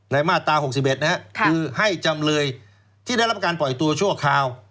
มาตรา๖๑นะครับคือให้จำเลยที่ได้รับการปล่อยตัวชั่วคราว